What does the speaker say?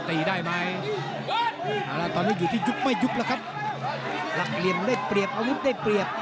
ตอนนี้อยู่ที่ยุบไม่ยุบแหละครับหลักเรียนได้เปรียบเอายุบได้เปรียบ